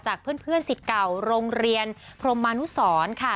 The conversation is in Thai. เพื่อนสิทธิ์เก่าโรงเรียนพรมมานุสรค่ะ